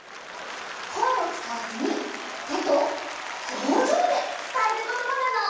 こえをつかわずにてとひょうじょうでつたえることばなの。